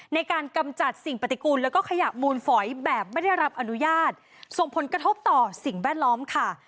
กำจัดสิ่งปฏิกูลแล้วก็ขยะมูลฝอยแบบไม่ได้รับอนุญาตส่งผลกระทบต่อสิ่งแวดล้อมค่ะ